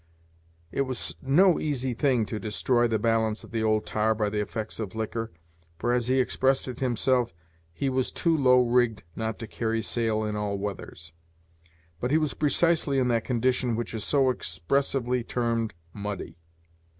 It was no easy thing to destroy the balance of the old tar by the effects of liquor, for, as he expressed it himself, "he was too low rigged not to carry sail in all weathers;" but he was precisely in that condition which is so expressively termed "muddy."